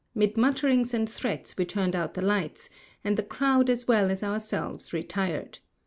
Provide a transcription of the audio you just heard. Mid mutterings and threats we turned out the lights, and the crowd as well as ourselves retired.